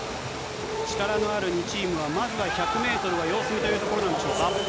力のある２チームは、まずは１００メートルは様子見というところなんでしょうか。